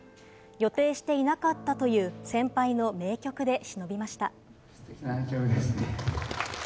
予定していなかったという先輩の名曲で偲びました。